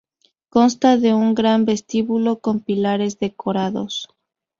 Consta de un gran vestíbulo con pilares decorados.